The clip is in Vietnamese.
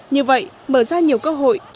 như vậy mở ra nhiều cơ hội